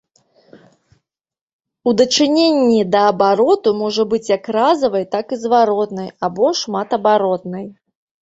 У дачыненні да абароту можа быць як разавай, так і зваротнай або шматабаротнай.